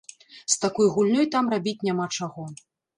З такой гульнёй там рабіць няма чаго.